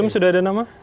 sudah ada nama